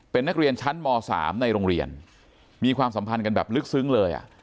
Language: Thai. เป็นนักเรียนชั้นม๓ในโรงเรียนมีความสัมพันธ์กันแบบลึกซึ้งเลยอ่ะ